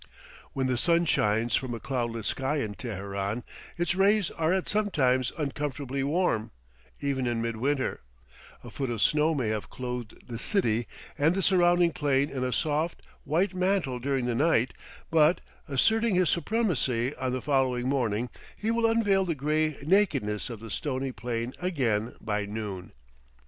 When the sun shines from a cloudless sky in Teheran, its rays are sometimes uncomfortably warm, even in midwinter; a foot of snow may have clothed the city and the surrounding plain in a soft, white mantle during the night, but, asserting his supremacy on the following morning, he will unveil the gray nakedness of the stony plain again by noon.